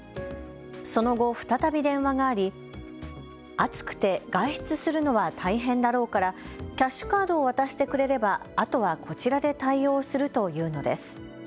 その後、再び電話があり暑くて外出するのは大変だろうからキャッシュカードを渡してくれれば、あとはこちらで対応するというのです。